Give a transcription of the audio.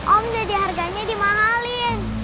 om jadi harganya dimahalin